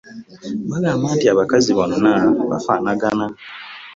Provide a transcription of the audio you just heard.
Bagamba nti abakazi bonna bafaanagana.